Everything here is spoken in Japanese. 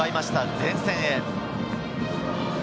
前線へ。